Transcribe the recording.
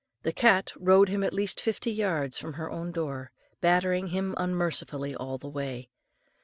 The cat rode him at least fifty yards from her own door, battering him unmercifully all the way.